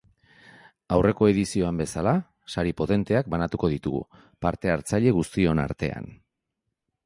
Aurreko edizioan bezala, sari potenteak banatuko ditugu parte hartzaile guztion artean.